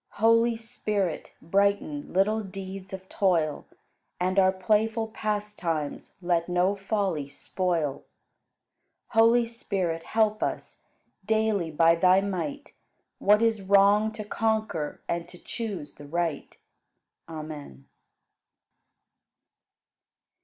Holy Spirit, brighten Little deeds of toil, And our playful pastimes Let no folly spoil. Holy Spirit, help us Daily by Thy might What is wrong to conquer And to choose the right. Amen.